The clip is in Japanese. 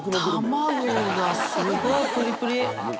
卵がすごいプリプリ。